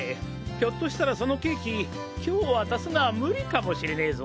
ひょっとしたらそのケーキ今日渡すのは無理かもしれねえぞ。